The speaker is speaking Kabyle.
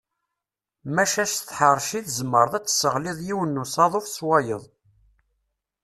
Maca s tḥerci tzemreḍ ad tesseɣliḍ yiwen n usaḍuf s wayeḍ.